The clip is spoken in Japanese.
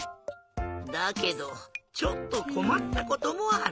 だけどちょっとこまったこともある。